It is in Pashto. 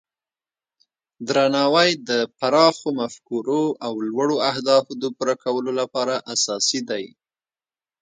درناوی د پراخو مفکورو او لوړو اهدافو د پوره کولو لپاره اساسي دی.